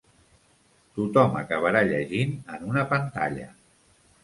Tothom acabarà llegint en una pantalla.